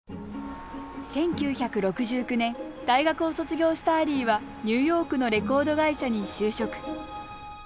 １９６９年大学を卒業したアリーはニューヨークのレコード会社に就職。